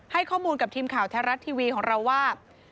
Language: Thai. ให้ข้อมูลกับทีมข่าวแท้รัฐทีวีของเราว่า